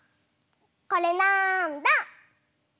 これなんだ？